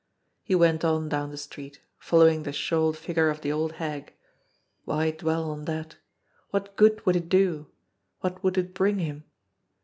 He went on down the street, following the shawled figure of the old hag. Why dwell on that? What good would it do? What would it bring him?